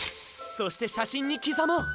そして写真に刻もう！